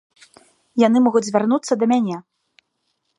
Яны могуць звярнуцца да мяне!